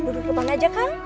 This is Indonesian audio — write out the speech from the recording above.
duduk depan aja kan